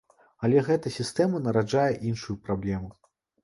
Але гэта сістэма нараджае іншую праблему.